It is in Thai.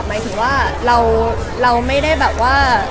หมายถึงว่าเราไม่ได้แบบว่า